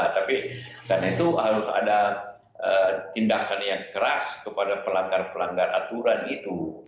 tapi karena itu harus ada tindakan yang keras kepada pelanggar pelanggar aturan itu